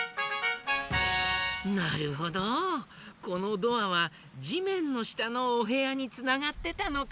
なるほどこのドアはじめんのしたのおへやにつながってたのか。